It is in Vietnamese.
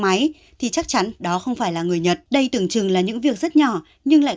máy thì chắc chắn đó không phải là người nhật đây tưởng chừng là những việc rất nhỏ nhưng lại